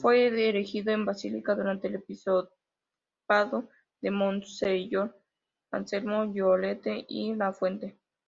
Fue erigido en basílica durante el episcopado de Monseñor Anselmo Llorente y Lafuente.